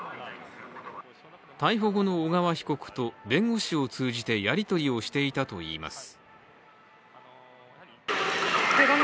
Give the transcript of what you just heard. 逮捕後の小川被告と弁護士を通じてやり取りをしていたといいます。